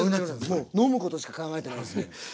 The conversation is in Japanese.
もう飲むことしか考えてないです。